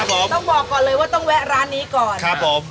ต้องบอกก่อนเลยว่าต้องแวะร้านนี้ก่อน